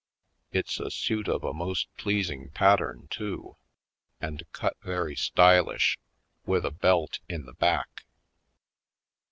It's a suit of a most pleasing pattern, too. And cut very stylish, with a belt in the back.